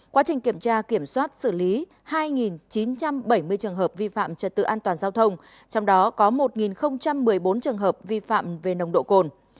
quá trình kiểm tra kiểm soát xử lý hai chín trăm bảy mươi trường hợp vi phạm trật tự an toàn giao thông trong đó có một một mươi bốn trường hợp vi phạm về nồng độ cồn